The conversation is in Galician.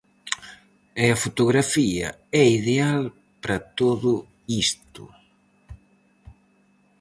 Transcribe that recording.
E a fotografía é ideal para todo isto.